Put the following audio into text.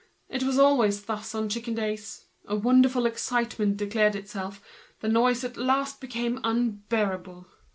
It was always thus on chicken days, a wonderful excitement declared itself, the noise at last became insupportable.